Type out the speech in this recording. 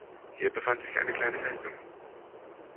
Hier befand sich eine kleine Festung.